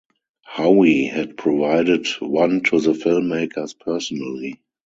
Howe had provided one to the filmmakers personally.